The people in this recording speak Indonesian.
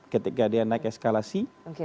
ketika dia naik eskalasi